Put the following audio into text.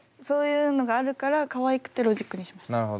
そういうのがあるからかわいくてロジックにしました。